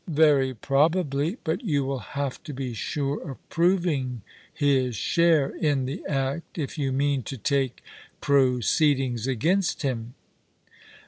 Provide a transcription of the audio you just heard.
" Very probably. But' you will have to be sure of proving bis share in the act if you mean to take proceedings against him."